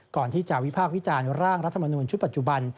ก่อนที่จะวิพากษ์วิจารณ์ร่างรัฐมนูลชุดปัจจุบัน